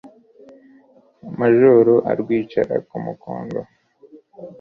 Majoro arwicara ku mukondo